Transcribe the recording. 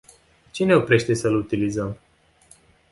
Ce ne oprește să îl utilizăm?